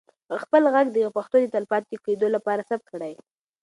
خپل ږغ د پښتو د تلپاتې کېدو لپاره ثبت کړئ.